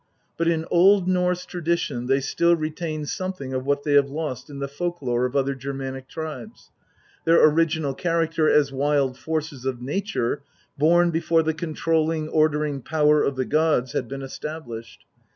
But in Old Norse tradition they still retain something of what they have lost in the folk lore of other Germanic tribes their original character as wild forces of nature, born before the controlling, ordering power of the gods had been established.